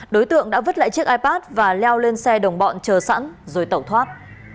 đối tượng đã vứt lại chiếc ipad và leo lên xe đồng bọn chờ sẵn rồi tẩu thoát